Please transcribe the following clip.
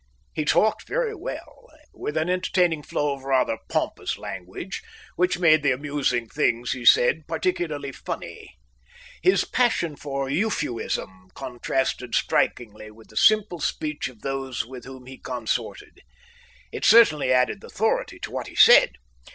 He talked very well, with an entertaining flow of rather pompous language which made the amusing things he said particularly funny. His passion for euphuism contrasted strikingly with the simple speech of those with whom he consorted. It certainly added authority to what he said.